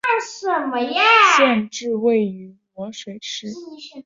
县治位于漯水市。